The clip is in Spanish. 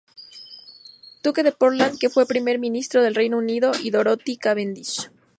Duque de Portland que fue Primer Ministro del Reino Unido y Dorothy Cavendish.